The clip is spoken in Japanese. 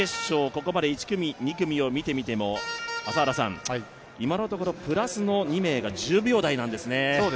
ここまで１組、２組を見てみても、今のところプラスの２名が１０秒台なんですね。